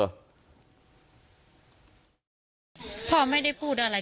ฉันก็ไม่ได้จัดการนะ